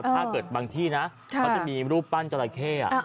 ถ้าเกิดบางที่นะเขาจะมีรูปปั้นจอห์ละเข้อ่ะ